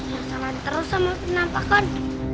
masalahnya terus sama penampakan